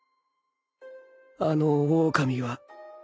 あのオオカミは